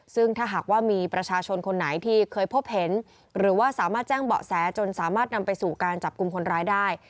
ซึ่งถ้าหากว่ามีประชาชนคนไหนที่เคยพบเห็นหรือว่าสามารถแจ้งเบาะแสจนสามารถนำไปสู่การจับกลุ่มคนร้ายได้